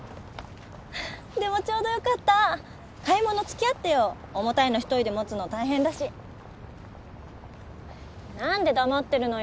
でもちょうどよかった買い物付き合ってよ重たいの一人で持つの大変だし何で黙ってるのよ